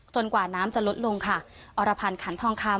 กว่าน้ำจะลดลงค่ะอรพันธ์ขันทองคำ